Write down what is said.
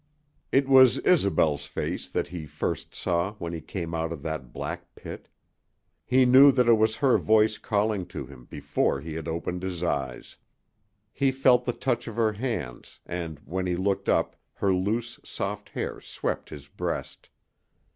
It was Isobel's face that he first saw when he came from out of that black pit. He knew that it was her voice calling to him before he had opened his eyes. He felt the touch of her hands, and when he looked up her loose, soft hair swept his breast.